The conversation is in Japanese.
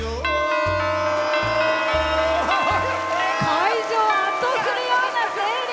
会場を圧倒するような声量。